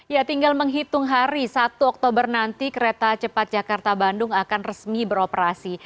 ya tinggal menghitung hari satu oktober nanti kereta cepat jakarta bandung akan resmi beroperasi